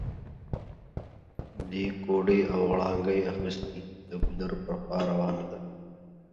دې ګوډی او غړانګۍ اخيستي، د ګودر پر خوا روانه وه